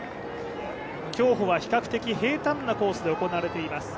競歩は比較的平たんなコースで行われています。